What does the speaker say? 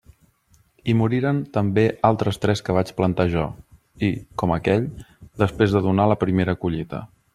I moriren també altres tres que vaig plantar jo, i, com aquell, després de donar la primera collita.